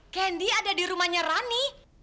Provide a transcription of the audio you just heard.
kendi ada di rumahnya rani